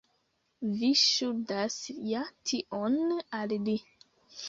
Vi ŝuldas ja tion al li.